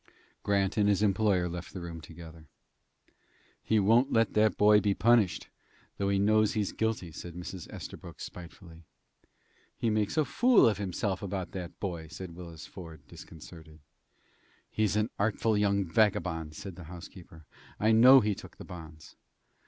Grant and his employer left the room together. "He won't let the boy be punished, though he must know he's guilty," said Mrs. Estabrook, spitefully. "He makes a fool of himself about that boy," said Willis Ford, disconcerted. "He's an artful young vagabond," said the housekeeper. "I know he took the bonds."